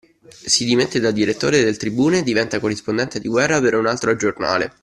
Si dimette da direttore del Tribune e diventa corrispondente di guerra per un altro giornale.